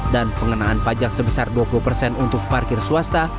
dan pengenaan pajak sebesar dua puluh untuk parkir swasta